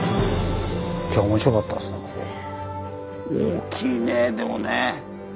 大きいねでもね。